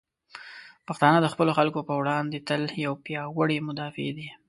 پښتانه د خپلو خلکو په وړاندې تل یو پیاوړي مدافع دی.